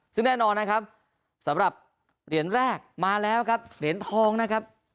ซึ่งแน่นอนนะครับสำหรับเหรียญแรกมาแล้วครับเหรียญทองนะครับ